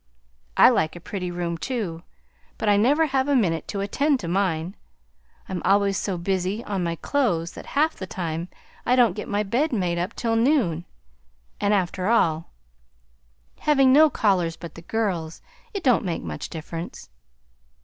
I like a pretty room too, but I never have a minute to attend to mine; I'm always so busy on my clothes that half the time I don't get my bed made up till noon; and after all, having no callers but the girls, it don't make much difference.